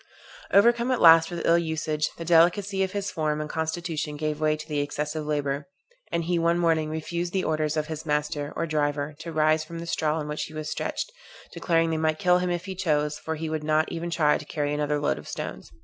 Overcome at last with ill usage, the delicacy of his form and constitution gave way to the excessive labor, and he one morning refused the orders of his master, or driver, to rise from the straw on which he was stretched, declaring they might kill him if they chose, for he would not even try to carry another load of stones.